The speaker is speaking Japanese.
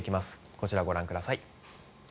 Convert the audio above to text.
こちら、ご覧ください。